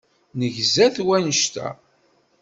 Negza-t wannect-a.